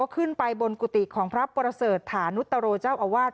ขึ้นไปบนกุฏิของพระประเสริฐฐานุตโรเจ้าอาวาส